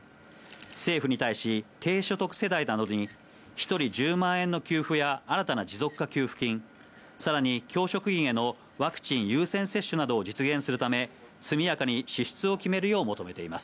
政府に対し、低所得世帯などに、１人１０万円の給付や、新たな持続化給付金、さらに教職員へのワクチン優先接種などを実現するため、速やかに支出を決めるよう求めています。